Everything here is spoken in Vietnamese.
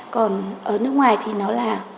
còn ở nước ngoài thì nó là